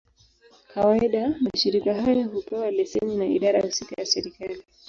Kawaida, mashirika haya hupewa leseni na idara husika ya serikali.